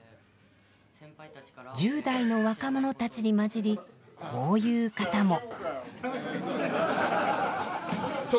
１０代の若者たちに交じりこういう方も。